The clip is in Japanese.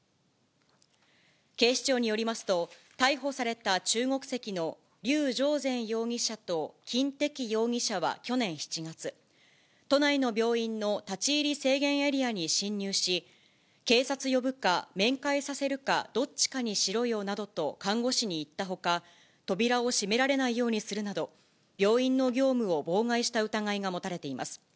警視庁によりますと、逮捕された中国籍の劉常然容疑者と金迪容疑者は去年７月、都内の病院の立ち入り制限エリアに侵入し、警察呼ぶか、面会させるか、どっちかにしろよなどと、看護師に言ったほか、扉を閉められないようにするなど、病院の業務を妨害した疑いが持たれています。